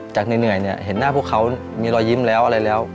จากเหนื่อยเห็นหน้าพวกเค้ามีรอยยิ้มแล้วอะไรแล้ว